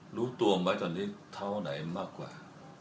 รู้ตัวไหมตอนนี้เท้าไหนมากกว่า